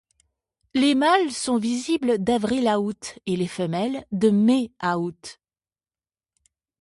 Les mâles sont visibles d'avril à août, et les femelles de mai à août.